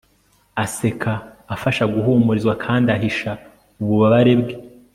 aseka, afasha guhumurizwa, kandi ahisha ububabare bwe